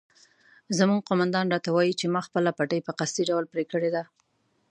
زموږ قومندان راته وایي چې ما خپله پټۍ په قصدي ډول پرې کړې ده.